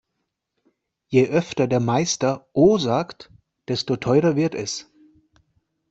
Je öfter der Meister "oh" sagt, desto teurer wird es.